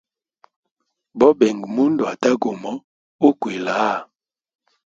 Bobenga mundu ata gumo ukwila haa.